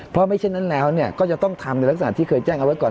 เพราะไม่เช่นนั้นแล้วก็จะต้องทำในลักษณะที่เคยแจ้งเอาไว้ก่อน